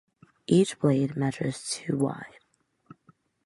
Each blade measures to wide.